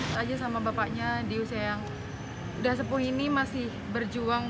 saya sama bapaknya diusaha yang sudah sepuh ini masih berjuang